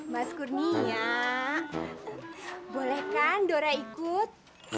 mas kurnia boleh kan dora ikut